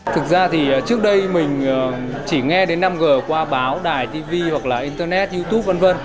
thực ra thì trước đây mình chỉ nghe đến năm g qua báo đài tv hoặc là internet youtube v v